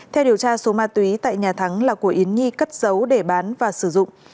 theo điều tra số ma túy tại nhà thắng là của yến nhi cất giấu để bán và sử dụng